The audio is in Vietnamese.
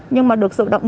nhưng mà được sự động